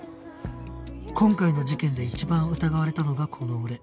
今回の事件で一番疑われたのがこの俺